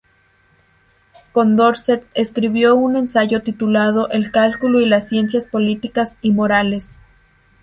Condorcet escribió un ensayo titulado "El cálculo y las ciencias políticas y morales".